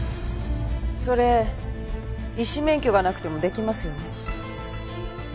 それ医師免許がなくても出来ますよね。